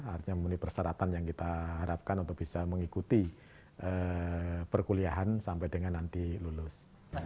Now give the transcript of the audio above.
artinya memenuhi persyaratan yang kita harapkan untuk bisa mengikuti perkuliahan sampai dengan nanti lulus